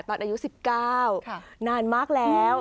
ตอนอายุ๑๙นานมากแล้ว